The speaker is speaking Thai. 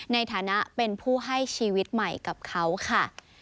ในฐานะเป็นผู้ให้ชีวิตใหม่กับเขาค่ะ